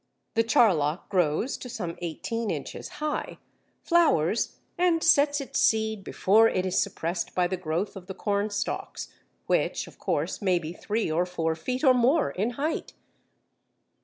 The Charlock grows to some eighteen inches high, flowers, and sets its seed before it is suppressed by the growth of the cornstalks, which, of course, may be three or four feet or more in height.